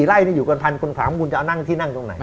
ไล่นี่อยู่กันพันคนถามว่าคุณจะเอานั่งที่นั่งตรงไหน